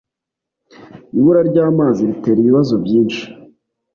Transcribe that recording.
Ibura ry’amazi ritera ibibazo byinshi.